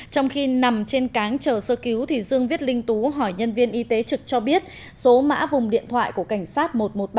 trong khi nằm trên cáng chờ sơ cứu thì dương viết linh tú hỏi nhân viên y tế trực cho biết số mã vùng điện thoại của cảnh sát một trăm một mươi ba